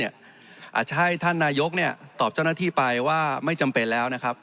อาจจะให้ท่านนายกตอบเจ้าหน้าที่ไปว่าไม่จำเป็นแล้วนะครับ